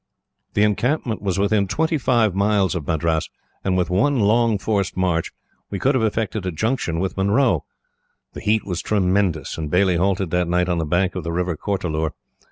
"The encampment was within twenty five miles of Madras, and with one long forced march, we could have effected a junction with Munro. The heat was tremendous, and Baillie halted that night on the bank of the River Cortelour.